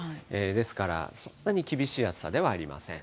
ですからそんなに厳しい暑さではありません。